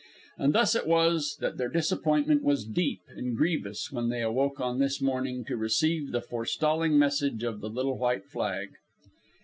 And thus it was that their disappointment was deep and grievous when they awoke on this morning to receive the forestalling message of the little white flag.